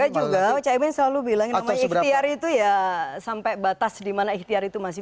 gak juga bu caim ini selalu bilang warna ikhtiar itu ya sampai batas dimana ikhtiar itu masih